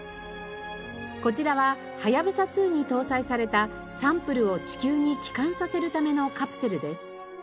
こちらははやぶさ２に搭載されたサンプルを地球に帰還させるためのカプセルです。